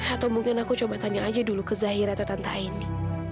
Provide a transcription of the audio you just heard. atau mungkin aku coba tanya aja dulu ke zahira atau tante ini